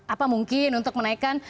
apa mungkin untuk menaikkan